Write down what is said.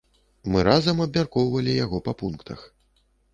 Мы разам абмяркоўвалі яго па пунктах.